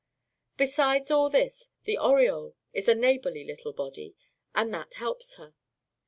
Besides all this, the oriole is a neighborly little body; and that helps her.